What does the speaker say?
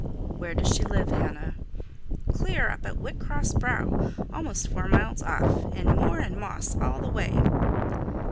"Where does she live, Hannah?" "Clear up at Whitcross Brow, almost four miles off, and moor and moss all the way."